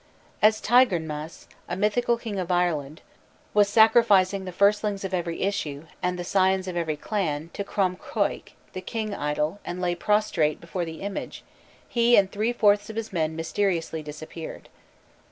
As Tigernmas, a mythical king of Ireland, was sacrificing "the firstlings of every issue, and the scions of every clan" to Crom Croich, the king idol, and lay prostrate before the image, he and three fourths of his men mysteriously disappeared.